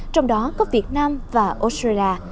trong đó có việt nam và australia